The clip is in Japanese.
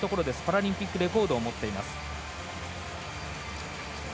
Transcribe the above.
パラリンピックレコードを持っています。